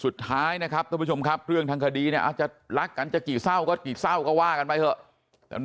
สุดท้ายเรื่องทางคดีจะรักกันจะกี่เศร้าก็กี่เศร้าก็ว่ากันไปเถอะ